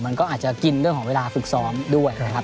มันก็อาจจะกินเรื่องของเวลาฝึกซ้อมด้วยนะครับ